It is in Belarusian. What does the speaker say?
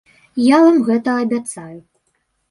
Я вам гэта абяцаю.